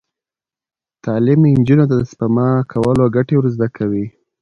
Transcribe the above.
تعلیم نجونو ته د سپما کولو ګټې ور زده کوي.